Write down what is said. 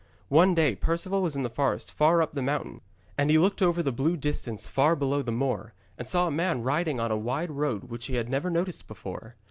One day Perceval was in the forest far up the mountain, and he looked over the blue distance far below across the moor, and saw a man riding on a wide road which he had never noticed before.